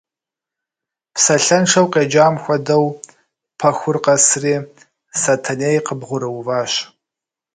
Псалъэншэу къеджам хуэдэу, пэхур къэсри Сэтэней къыбгъурыуващ.